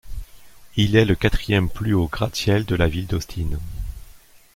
Il est le quatrième plus haut gratte-ciel de la ville d'Austin.